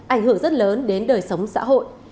ảnh hưởng rất lớn đến đời sống xã hội